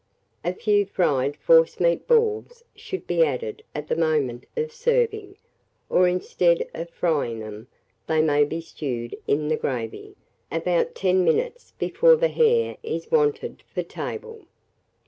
A few fried forcemeat balls should be added at the moment of serving, or instead of frying them, they may be stewed in the gravy, about 10 minutes before the hare is wanted for table.